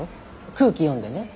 空気読んでね。